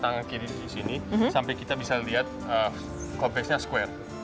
tangan kiri di sini sampai kita bisa lihat club face nya square